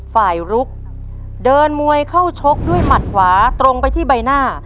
ลุกเดินมวยเข้าชกด้วยหมัดขวาตรงไปที่ใบหน้า